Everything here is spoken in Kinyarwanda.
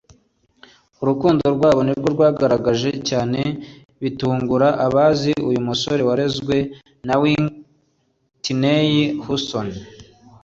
urukundo rwabo nibwo rwigaragaje cyane bitungura abazi uyu musore warezwe na Whitney Houston